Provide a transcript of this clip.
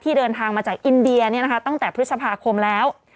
เดินทางมาจากอินเดียตั้งแต่พฤษภาคมแล้ว